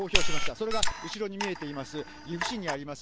それが後ろに見えています、岐阜市にあります